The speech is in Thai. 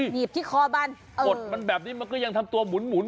หนีบที่คอมันกดมันแบบนี้มันก็ยังทำตัวหมุน